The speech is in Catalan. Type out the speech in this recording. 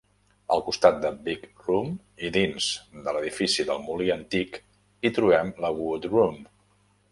Al costat de Big Room i dins de l"edifici del molí antic hi trobem la Wood Room.